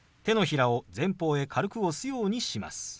手のひらを前方へ軽く押すようにします。